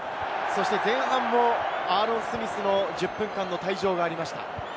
前半もアーロン・スミスの１０分間の退場がありました。